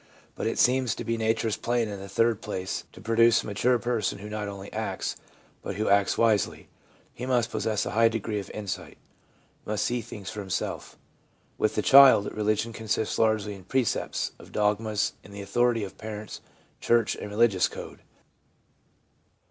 But it seems to be nature's plan, in the third place, to produce a mature person who not only acts, but who acts wisely. He must possess a high degree of insight, — must see things for himself. With the child, religion consists largely in precepts, in dogmas, in the authority of parents, church and religious code.